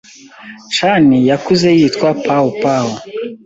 Chan yakuze yitwa Pao-Pao